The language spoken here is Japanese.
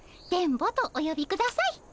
電ボとおよびください。